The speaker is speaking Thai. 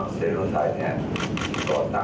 สวัสดีครับ